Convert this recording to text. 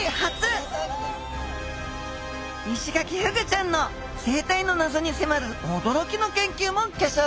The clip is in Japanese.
イシガキフグちゃんの生態の謎に迫るえいえいギョギョ！